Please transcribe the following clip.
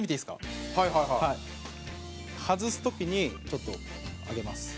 松橋：外す時にちょっと上げます。